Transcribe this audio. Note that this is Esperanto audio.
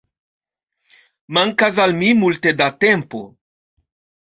Mankas al mi multe da tempo